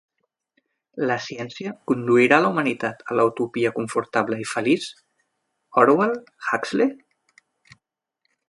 La ciència conduirà la humanitat a la utopia confortable i feliç? Orwell, Huxley?